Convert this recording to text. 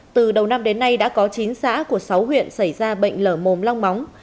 từ đầu năm đến nay đã có chín xã của sáu huyện xảy ra bệnh lở mồm long móng